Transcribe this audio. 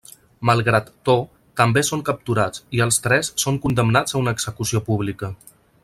Malgrat to, també són capturats, i els tres són condemnats a una execució pública.